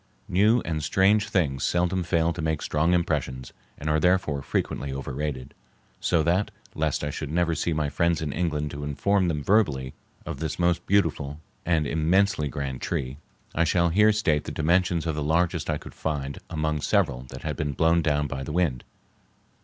New and strange things seldom fail to make strong impressions and are therefore frequently overrated; so that, lest I should never see my friends in England to inform them verbally of this most beautiful and immensely grand tree, I shall here state the dimensions of the largest I could find among several that had been blown down by the wind.